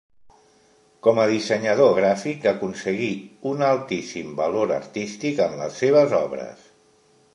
Com a dissenyador gràfic aconseguí un altíssim valor artístic en les seves obres.